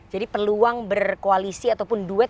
jadi peluang berkoalisi ataupun duet